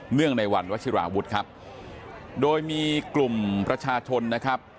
งในวันวชิราวุฒิครับโดยมีกลุ่มประชาชนนะครับ